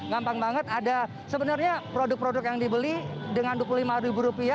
gampang banget ada sebenarnya produk produk yang dibeli dengan rp dua puluh lima